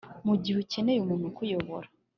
mugihe ukeneye umuntu ukuyobora…